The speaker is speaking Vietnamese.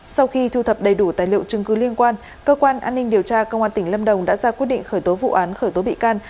sau khi thu thập đầy đủ tài liệu chứng cứ liên quan cơ quan an ninh điều tra công an tỉnh lâm đồng đã ra quyết định khởi tố vụ án khởi tố bị can